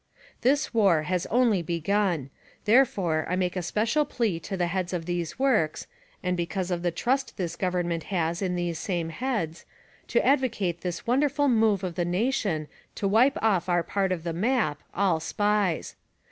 This war has only begun ; therefore, I make a special plea to the heads of these works, and because of the trust this government has in these same heads, to advocate this wonderful move of the nation to wipe off our part of the map, all— SPIES.